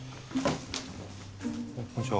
こんにちは。